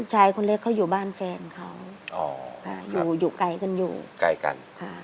ลูกชายคนเล็กเขาอยู่บ้านแฟนเขาอยู่ไกลกัน